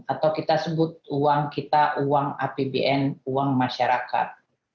atau kita sebut uang kita uang apbn uang masyarakat